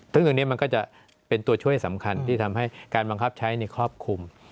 ซึ่งตรงนี้มันก็จะเป็นตัวช่วยสำคัญที่ทำให้การบังคับใช้ครอบคลุม